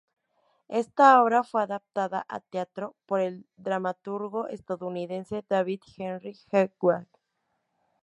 Esta obra fue adaptada a teatro por el dramaturgo estadounidense David Henry Hwang.